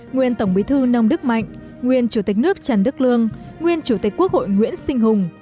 nguyên tổng bí thư nông đức mạnh nguyên chủ tịch nước trần đức lương nguyên chủ tịch quốc hội nguyễn sinh hùng